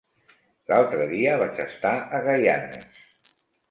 L'altre dia vaig estar a Gaianes.